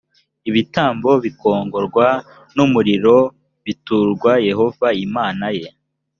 ibitambo bikongorwa n umuriro b biturwa yehova imana ya